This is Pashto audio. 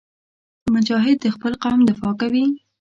مجاهد د خپل قوم دفاع کوي.